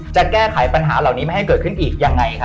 จะแก้ไขปัญหาเหล่านี้ไม่ให้เกิดขึ้นอีกยังไงครับ